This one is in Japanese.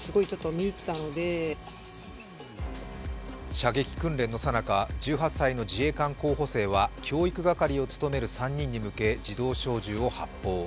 射撃訓練のさなか１８歳の自衛官候補生は、教育係を務める３人に向け自動小銃を発砲。